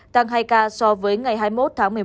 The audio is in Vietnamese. tăng hai ca so với ngày hai mươi một tháng một mươi một